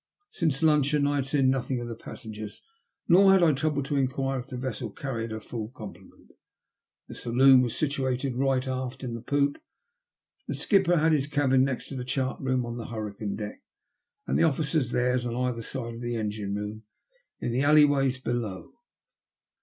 Since luncheon I had seen nothing of the passengers, nor had I troubled to inquire if the vessel carried her full complement. The saloon was situated right aft in the poop, the skipper had his cabin next to the chart room on the hurricane deck, and the officers theirs on either side of the engine room, in the alley ways below.